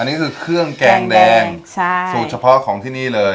นี่คือเครื่องแกงแดงใช่สูตรเฉพาะของที่นี่เลย